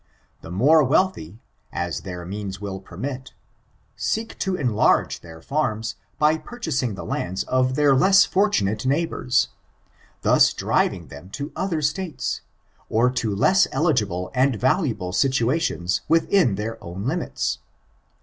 The more wealthy, as their means will pemut, seek to enlarge their farms by purchasing the lands of their less fortunate neighbors; thus driving them to oth^r States, or to less eUgible and valuable situations within their own limits.